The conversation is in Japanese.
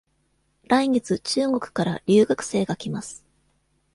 来月中国から留学生が来ます。